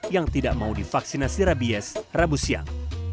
yang tidak mau divaksinasi rabies rabu siang